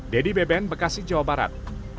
dedy beben bekasi jawa barat